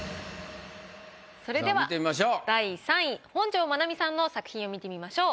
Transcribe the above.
それでは第３位本上まなみさんの作品を見てみましょう。